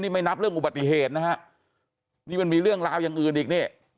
นี่ไม่นับเรื่องอุบัติเหตุนะฮะนี่มันมีเรื่องราวอย่างอื่นอีกนี่